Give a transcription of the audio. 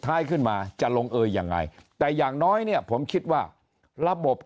ท้ายขึ้นมาจะลงเอยยังไงแต่อย่างน้อยเนี่ยผมคิดว่าระบบ